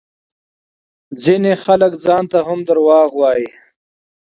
ځينې خلک ځانته هم دروغ وايي